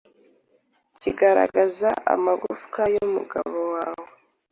kigaragaza amagufwa y'umugabo we